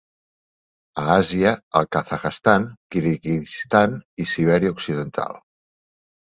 A Àsia al Kazakhstan, Kirguizistan i Sibèria occidental.